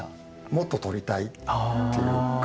もっと撮りたいっていうか。